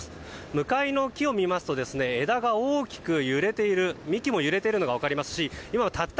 向かいの木を見ると枝が大きく揺れている幹も揺れているのが分かりますしたった